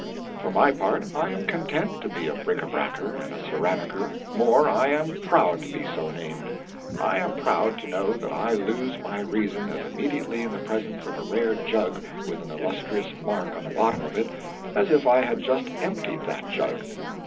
For my part I am content to be a brick a bracker and a ceramiker more, I am proud to be so named. I am proud to know that I lose my reason as immediately in the presence of a rare jug with an illustrious mark on the bottom of it, as if I had just emptied that jug.